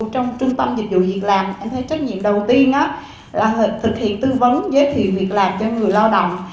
trong trung tâm dịch vụ việc làm em thấy trách nhiệm đầu tiên là thực hiện tư vấn giới thiệu việc làm cho người lao động